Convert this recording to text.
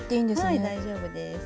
はい大丈夫です。